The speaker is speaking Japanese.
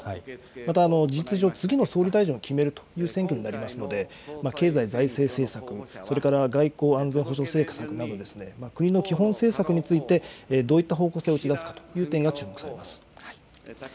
また事実上、次の総理大臣を決めるという選挙になりますので、経済・財政政策、それから外交・安全保障政策など、国の基本政策について、どういった方向性を打ち出すかといった点が注目されます。